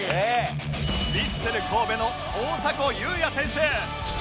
ヴィッセル神戸の大迫勇也選手